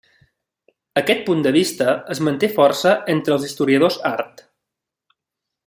Aquest punt de vista es manté força entre els historiadors art.